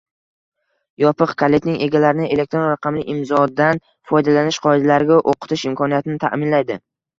yopiq kalitining egalarini elektron raqamli imzodan foydalanish qoidalariga o‘qitish imkoniyatini ta’minlaydi.